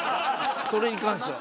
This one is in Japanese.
それに関しては。